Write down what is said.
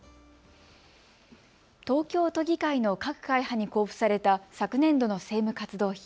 東京都議会の各会派に交付された昨年度の政務活動費。